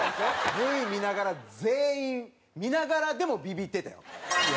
Ｖ見ながら全員見ながらでもビビってたよ。